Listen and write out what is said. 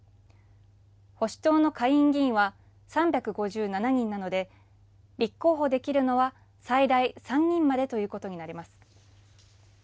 保守党の下院議員は３５７人なので、立候補できるのは最大３人までということになります。